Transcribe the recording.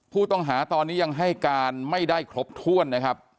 ผู้ต้องหาตอนนี้ยังให้การไม่ได้ครบถ้วนนะครับ